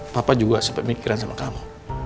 papa juga sempat mikiran sama kamu